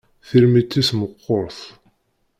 Tirmit-is meqqert.